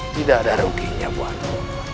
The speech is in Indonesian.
tidak ada ruginya buatmu